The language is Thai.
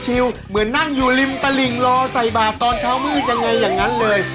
เหมือนนั่งอยู่ริมตลิ่งรอใส่บาทตอนเช้ามืดยังไงอย่างนั้นเลย